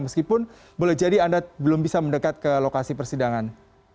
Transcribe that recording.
meskipun boleh jadi anda belum bisa mendekat ke lokasi persidangan